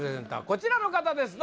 こちらの方です